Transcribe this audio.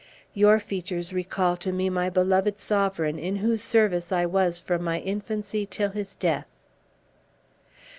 Your features recall to me my beloved sovereign, in whose service I was from my infancy till his death."